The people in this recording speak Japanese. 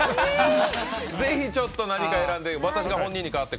ぜひ、ちょっと何か選んでいただいて。